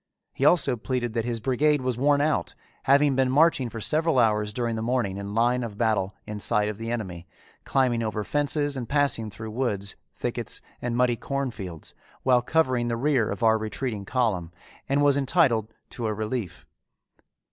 He also pleaded that his brigade was worn out, having been marching for several hours during the morning in line of battle in sight of the enemy, climbing over fences and passing through woods, thickets, and muddy cornfields, while covering the rear of our retreating column, and was entitled to a relief.